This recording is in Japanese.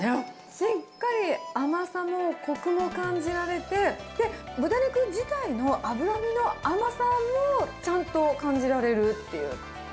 しっかり甘さもこくも感じられて、で、豚肉自体の脂身の甘さもちゃんと感じられるっていう。